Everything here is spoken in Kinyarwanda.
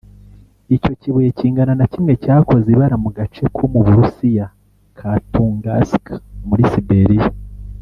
icyo kibuye kingana na kimwe cyakoze ibara mu gace ko mu Burusiya ka Toungska muri Siberiya